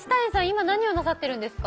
今何をなさってるんですか？